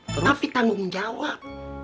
tapi tanggung jawab